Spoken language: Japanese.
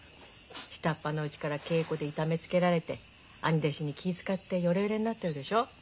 下っ端のうちから稽古で痛めつけられて兄弟子に気ぃ遣ってよれよれになってるでしょ？